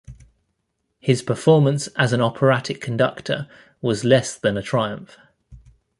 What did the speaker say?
His performance as an operatic conductor was less than a triumph.